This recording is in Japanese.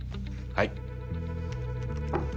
はい。